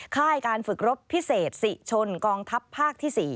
ค่ายการฝึกรบพิเศษศรีชนกองทัพภาคที่๔